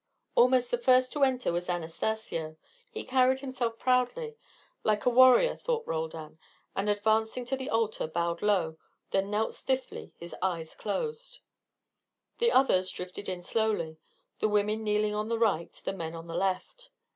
Almost the first to enter was Anastacio. He carried himself proudly like a warrior, thought Roldan and advancing to the altar bowed low, then knelt stiffly, his eyes closed. The others drifted in slowly: the women kneeling on the right, the men on the left.